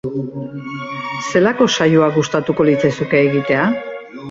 Zelako saioa gustatuko litzaizuke egitea?